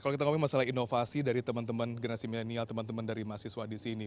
kalau kita ngomongin masalah inovasi dari teman teman generasi milenial teman teman dari mahasiswa di sini